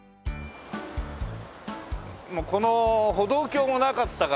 この歩道橋もなかったから。